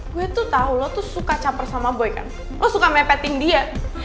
gue tuh tau lo tuh suka caper sama boy kan lo suka mepetin dia